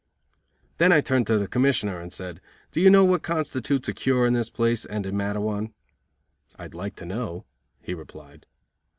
Then I turned to the Commissioner and said: "Do you know what constitutes a cure in this place and in Matteawan?" "I'd like to know," he replied.